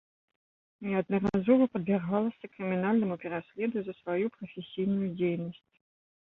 Неаднаразова падвяргалася крымінальнаму пераследу за сваю прафесійную дзейнасць.